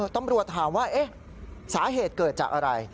ตำรวจถามว่าสาเหตุเกิดจากอะไร